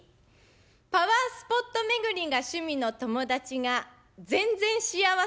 パワースポット巡りが趣味の友達が全然幸せそうじゃない。